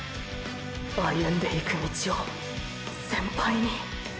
歩んでいく道を先輩にーー。